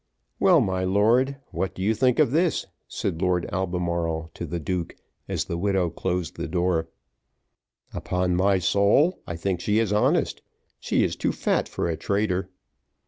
"Well, my lord, what think you of this?" said Lord Albemarle to the duke, as the widow closed the door. "Upon my soul I think she is honest; she is too fat for a traitor."